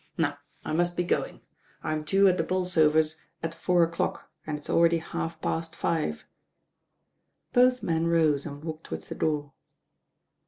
Now I must be going. I'm due at the Bolsovers' at four o'clock, and it's already half past five." Both men rose and walked towards the door.